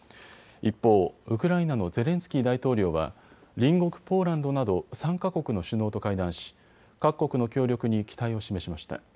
一方、ウクライナのゼレンスキー大統領は隣国ポーランドなど３か国の首脳と会談し、各国の協力に期待を示しました。